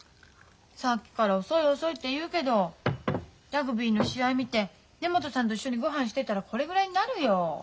さっきから遅い遅いって言うけどラグビーの試合見て根本さんと一緒にごはんしてたらこれぐらいになるよ。